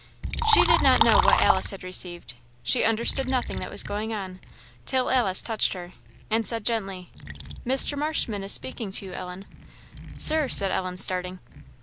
She did not know what Alice had received; she understood nothing that was going on, till Alice touched her, and said gently, "Mr. Marshman is speaking to you, Ellen." "Sir!" said Ellen, starting.